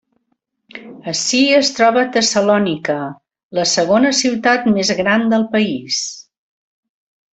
Ací es troba Tessalònica, la segona ciutat més gran del país.